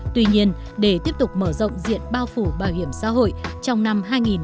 tuy nhiên để tiếp tục mở rộng diện bao phủ bảo hiểm xã hội trong năm hai nghìn hai mươi